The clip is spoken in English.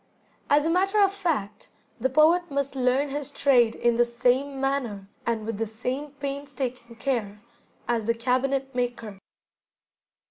As a matter of fact, the poet must learn his trade in the same manner, and with the same painstaking care, as the cabinet maker.